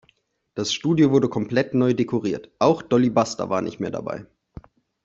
Das Studio wurde komplett neu dekoriert, auch Dolly Buster war nicht mehr dabei.